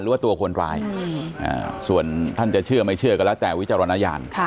หรือว่าตัวคนร้ายส่วนท่านจะเชื่อไม่เชื่อก็แล้วแต่วิจารณญาณ